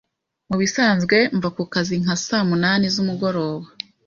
Mubisanzwe mva kukazi nka saa munani z'umugoroba.